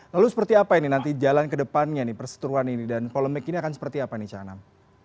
lalu seperti apa ini nanti jalan ke depannya nih perseteruan ini dan polemik ini akan seperti apa nih cak anam